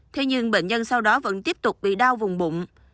thế nhưng bệnh nhân sau đó vẫn tiếp tục bị đau vùng bụng